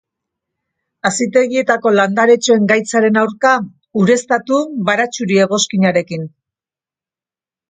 Hazitegietako landaretxoen gaitzaren aurka, ureztatu baratxuri-egoskinarekin.